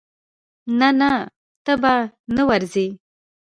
نه نه ته به نه ورزې.